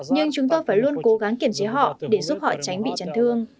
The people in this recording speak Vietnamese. nhưng chúng tôi phải luôn cố gắng kiểm chế họ để giúp họ tránh bị chấn thương